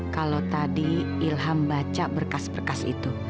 kalau tadi ilham baca berkas berkas itu